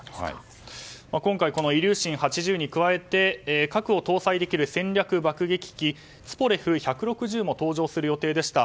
今回イリューシン８０に加えて核を搭載できる戦略爆撃機ツポレフ１６０も登場する予定でした。